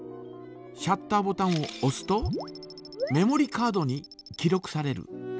シャッターボタンをおすとメモリカードに記録される。